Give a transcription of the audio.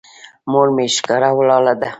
مور مې ښکاره ولاړه ده.